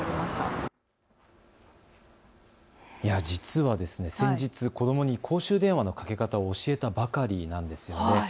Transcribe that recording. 実は先日、子どもに公衆電話のかけ方を教えたばかりなんです。